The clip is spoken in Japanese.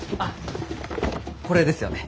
これですよね？